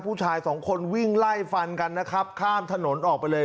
ผู้ชายสองคนวิ่งไล่ฟันกันนะครับข้ามถนนออกไปเลย